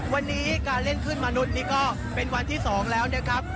วันนี้การเล่นขึ้นมนุษย์นี้ก็เป็นวันที่๒แล้วนะครับ